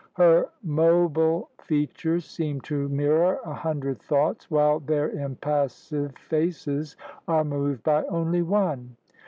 Her mobile fea tures seem to mirror a hundred thoughts while their impassive faces are moved by only one.